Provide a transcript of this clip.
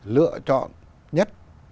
lựa chọn nhất